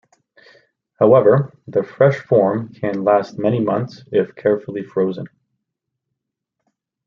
However, the fresh form can last many months if carefully frozen.